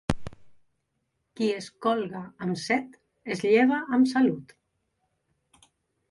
Qui es colga amb set es lleva amb salut.